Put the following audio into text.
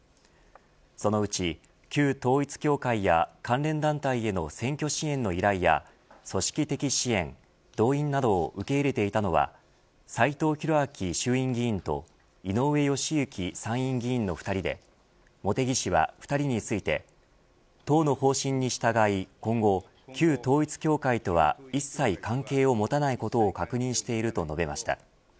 そのうち旧統一教会や関連団体への選挙支援の依頼や組織的支援動員などを受け入れていたのは斎藤洋明衆院議員と井上義行参院議員の２人で茂木氏は２人について党の方針に従い、今後旧統一教会とは一切関係を持たないことを確認していると述べました。